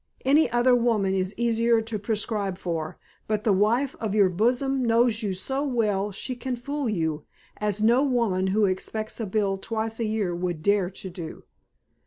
Any other woman is easier to prescribe for, but the wife of your bosom knows you so well she can fool you, as no woman who expects a bill twice a year would dare to do.